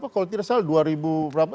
kalau tidak salah dua ribu berapa